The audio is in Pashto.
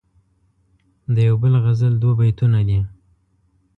دیو بل غزل دوه بیتونه دي..